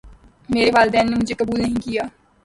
میرے والدین نے مجھے قبول نہیں کیا